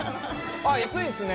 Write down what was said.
ああ安いですね。